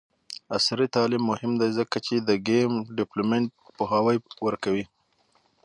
عصري تعلیم مهم دی ځکه چې د ګیم ډیولپمنټ پوهاوی ورکوي.